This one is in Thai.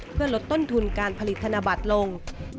เพื่อลดต้นทุนการผลิตธนบัตรลง